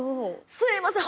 すいません